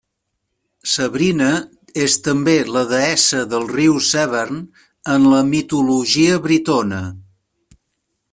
Sabrina és també la deessa del riu Severn en la mitologia britona.